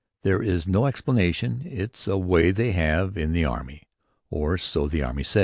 There is no explanation. "It's a way they have in the Army"; or so the army says.